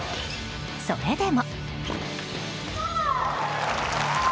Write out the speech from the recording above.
それでも。